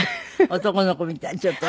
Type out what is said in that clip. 男の子みたいちょっとね。